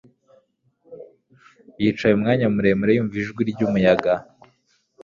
Yicaye umwanya muremure yumva ijwi ryumuyaga